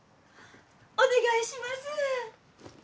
お願いします。